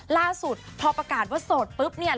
ล่าสุดพอประกาศว่าโสดปุ๊บเนี่ย